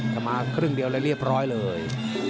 แต่มาครึ่งเดียวเลยเรียบร้อยเลย